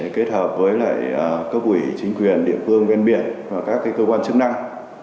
kết hợp với cấp ủy chính quyền địa phương ven biển và các cơ quan chức năng